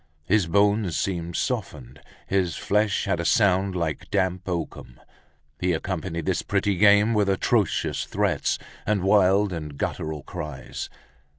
His bones seemed softened, his flesh had a sound like damp oakum. He accompanied this pretty game with atrocious threats, and wild and guttural cries.